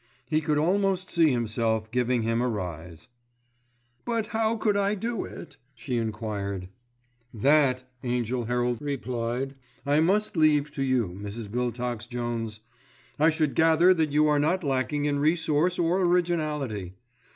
He could almost see himself giving him a rise. "But how could I do it?" she enquired. "That," Angell Herald replied, "I must leave to you, Mrs. Biltox Jones. I should gather that you are not lacking in resource or originality.